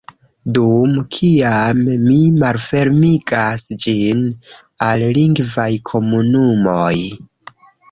Dum kiam ni malfermigas ĝin al lingvaj komunumoj